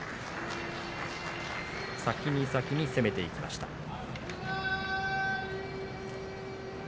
先に先に攻めていきました。